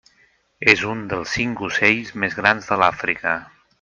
És un dels cinc ocells més grans de l'Àfrica.